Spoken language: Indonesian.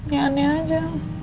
ya aneh aja